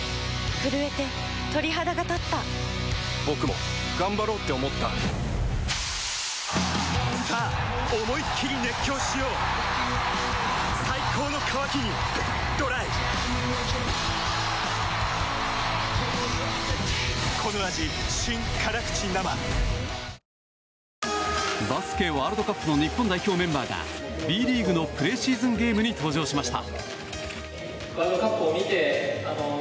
震えて鳥肌がたった僕も頑張ろうって思ったさあ思いっきり熱狂しよう最高の渇きにＤＲＹバスケワールドカップの日本代表メンバーがＢリーグのプレシーズンゲームに登場しました。